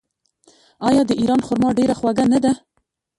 آیا د ایران خرما ډیره خوږه نه ده؟